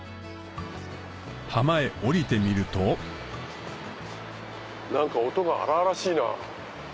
浜へ下りてみると何か音が荒々しいな。